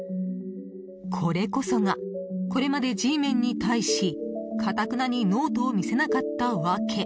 これこそがこれまでＧメンに対し頑なにノートを見せなかった訳。